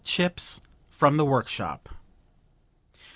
CHIPS FROM THE WORKSHOP 1.